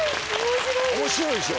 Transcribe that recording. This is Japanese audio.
面白いでしょ？